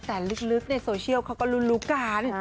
แต่ลึกในโซเชียลเขาก็รุนรุกการ